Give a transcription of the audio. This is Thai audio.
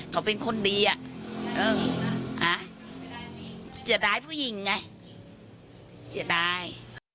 เขาเป็นคนดีอะเสียดายผู้หญิงไงเสียดาย